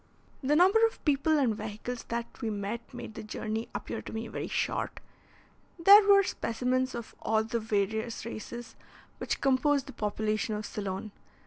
The number of people and vehicles that we met made the journey appear to me very short. There were specimens of all the various races which compose the population of Ceylon.